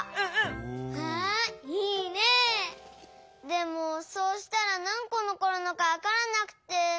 でもそうしたらなんこのこるのかわからなくて。